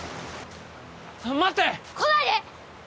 待って！来ないで！